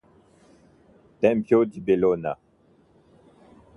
Tempio di Bellona